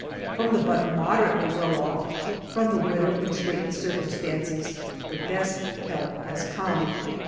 From the but moderately well off, from the widow in straitened cir cumstances, the best help has come.